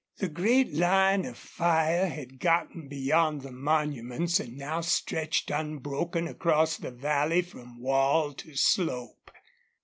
The great line of fire had gotten beyond the monuments and now stretched unbroken across the valley from wall to slope.